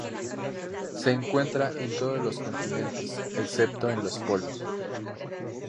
Se encuentra en todos los continentes, excepto en los polos.